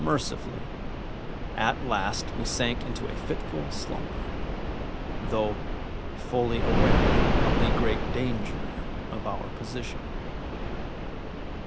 Mercifully, at last we sank into a fitful slumber, though fully aware of the great danger of our position.